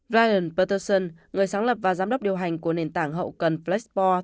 brian peterson người sáng lập và giám đốc điều hành của nền tảng hậu cần flexport